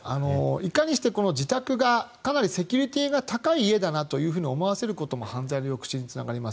いかにして自宅がかなりセキュリティーが高い家だなと思わせることも犯罪の抑止につながります。